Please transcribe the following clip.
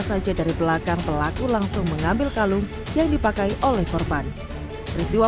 saja dari belakang pelaku langsung mengambil kalung yang dipakai oleh korban peristiwa